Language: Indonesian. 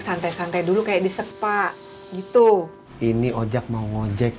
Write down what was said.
santai santai dulu kayak diserpa gitu ini ojek mau ngojek